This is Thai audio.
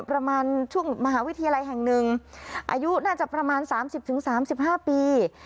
ประมาณช่วงมหาวิทยาลัยแห่งหนึ่งอายุน่าจะประมาณ๓๐๓๕ปี